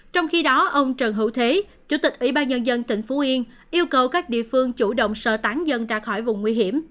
trong khi đó ông trần hữu thế chủ tịch ủy ban nhân dân tỉnh phú yên yêu cầu các địa phương chủ động sơ tán dân ra khỏi vùng nguy hiểm